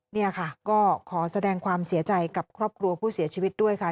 นี่ค่ะก็ขอแสดงความเสียใจกับครอบครัวผู้เสียชีวิตด้วยค่ะ